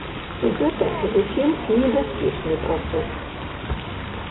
І гэта зусім не бяспечны працэс.